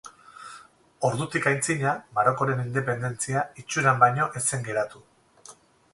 Ordutik aitzina, Marokoren independentzia itxuran baino ez zen geratu.